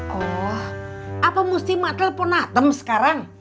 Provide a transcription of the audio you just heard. oh apa mesti mak telepon atem sekarang